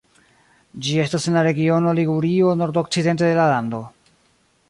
Ĝi estas en la regiono Ligurio nordokcidente de la lando.